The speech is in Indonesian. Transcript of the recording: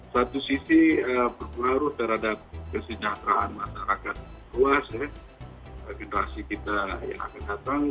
satu sisi berpengaruh terhadap kesejahteraan masyarakat luas generasi kita yang akan datang